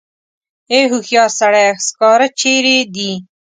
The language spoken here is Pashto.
ای هوښیار سړیه سکاره چېرې دي.